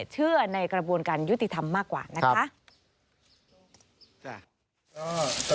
เชื่อในกระบวนการยุติธรรมมากกว่านะคะ